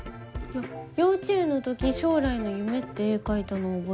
幼稚園の時将来の夢って絵描いたのは覚えてるけど。